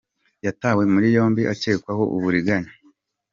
Yatawe muri yombi akekwaho uburiganya